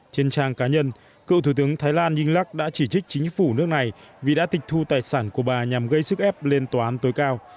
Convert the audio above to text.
trên trang cá nhân cựu thủ tướng thái lan inglak đã chỉ trích chính phủ nước này vì đã tịch thu tài sản của bà nhằm gây sức ép lên tòa án tối cao